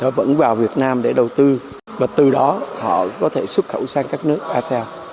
họ vẫn vào việt nam để đầu tư và từ đó họ có thể xuất khẩu sang các nước asean